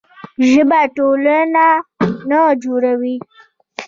ژبه ټولنه نه جوړوي.